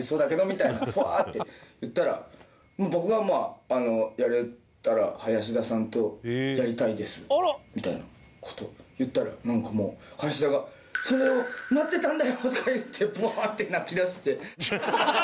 みたいなフワッて言ったら「僕はやれたら林田さんとやりたいです」みたいな事言ったらなんかもう林田が「それを待ってたんだよ！」とか言ってブワーッて泣き出して。